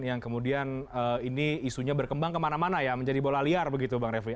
yang kemudian ini isunya berkembang kemana mana ya menjadi bola liar begitu bang refli